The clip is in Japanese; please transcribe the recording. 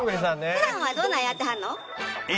普段はどんなんやってはるの？